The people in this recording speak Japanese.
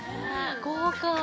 豪華。